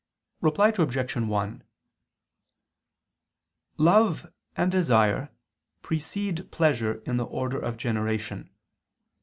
Reply Obj. 1: Love and desire precede pleasure in the order of generation.